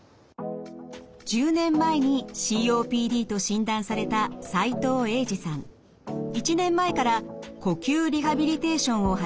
１０年前にＣＯＰＤと診断された１年前から呼吸リハビリテーションを始めました。